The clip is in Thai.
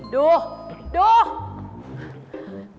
ดูดู